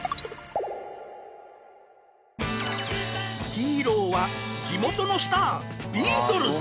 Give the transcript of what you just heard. ヒーローは地元のスタービートルズ！